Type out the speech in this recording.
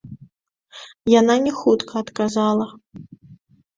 Яна не хутка адказала.